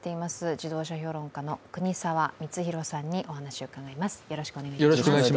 自動車評論家の国沢光宏さんにお話をうかがいます。